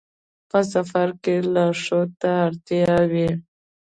په سفر کې لارښود ته اړتیا وي.